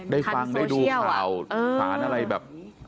ได้ฟังได้ดูข่าวสารอะไรแบบ